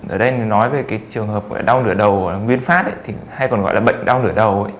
ở đây nói về trường hợp đau nửa đầu nguyên phát hay còn gọi là bệnh đau nửa đầu